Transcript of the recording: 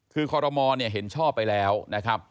คือคอรมอลเห็นชอบไปแล้วนะครับ